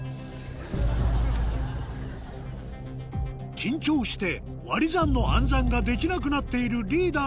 緊張して割り算の暗算ができなくなっているリーダー